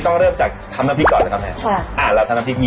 ถึงเนี้ยอันนี้เขาเรียกว่าหลับแสงค่ะ